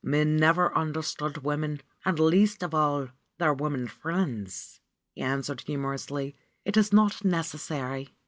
^^Men never understand women, and, least of all, their women friends," he answered humorously. "It is not necessary."